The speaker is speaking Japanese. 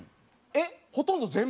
えっほとんど全部？